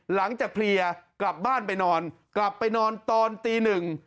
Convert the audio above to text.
หลังจากเพลียกลับบ้านไปนอนกลับไปนอนตอนตีหนึ่ง